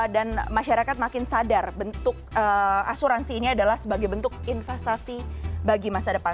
dan masyarakat makin sadar bentuk asuransi ini adalah sebagai bentuk investasi bagi masa depan